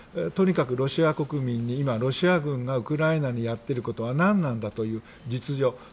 とにかくロシア国民に今、ロシア国軍がウクライナにやっていることは何なんだという実情。